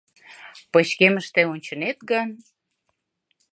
Пычкемыште ончынет гын